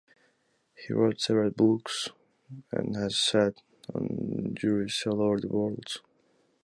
He wrote several book and has sat on juries all over the worlds.